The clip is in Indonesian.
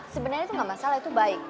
sebenarnya itu nggak masalah itu baik